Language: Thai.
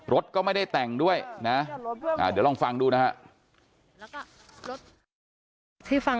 รถก็ไม่ได้แต่งด้วยนะเดี๋ยวลองฟังดูนะฮะ